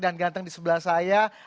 dan ganteng di sebelah saya